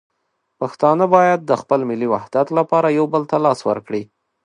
پښتانه باید د خپل ملي وحدت لپاره یو بل ته لاس ورکړي.